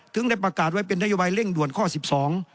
ได้ประกาศไว้เป็นนโยบายเร่งด่วนข้อสิบสอง